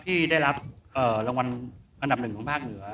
ที่ได้รับรางวัลอันดับหนึ่งของภาคเหนือ